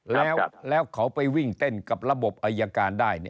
แล้วเขาไปวิ่งเต้นกับระบบอายการได้